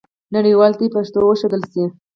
نړیوالو ته دې پښتو وښودل سي.